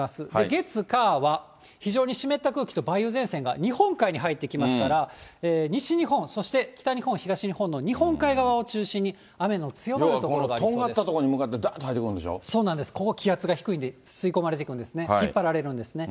月、火は、非常に湿った空気と梅雨前線が日本海に入ってきますから、西日本、そして北日本、東日本の日本海側を中心に、雨の強まる所がありそとんがった所に向かってだーそうなんです、ここ、気圧が低いんで引き込まれていくんですね、引っ張られるんですね。